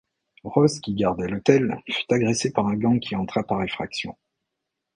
Ross qui gardait l’hôtel, fut agressé par un gang qui entra par effraction.